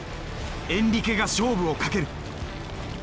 エンリケが勝負をかける。